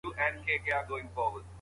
په بزکشي کي توپ نه وي.